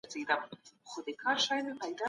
خلګ مخکي له ستونزو تېر سوي وو.